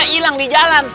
di lukih malesa